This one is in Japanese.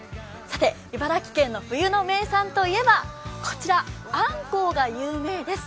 茨城県の冬の名産といえば、あんこうが有名です。